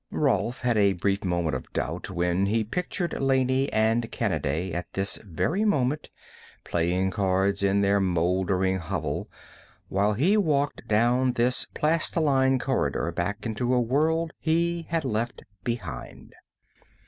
Rolf had a brief moment of doubt when he pictured Laney and Kanaday at this very moment, playing cards in their mouldering hovel while he walked down this plastiline corridor back into a world he had left behind.